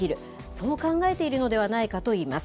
そう考えているのではないかといいます。